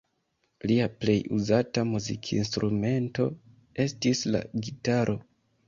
Lia plej uzata muzikinstrumento estis la gitaro.